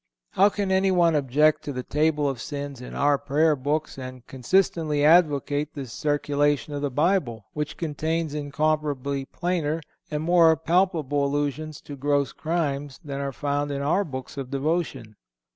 How can anyone object to the table of sins in our prayer books and consistently advocate the circulation of the Bible, which contains incomparably plainer and more palpable allusions to gross crimes than are found in our books of devotion?